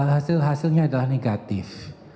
hasil hasilnya adalah negatif